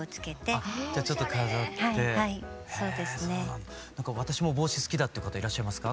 なんか「私も帽子好きだ」っていう方いらっしゃいますか？